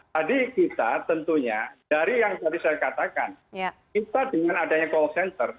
tadi kita tentunya dari yang tadi saya katakan kita dengan adanya call center